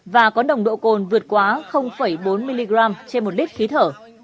và có nồng độ cồn vượt quá bốn mg trên một lít khí thở